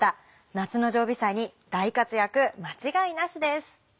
夏の常備菜に大活躍間違いなしです。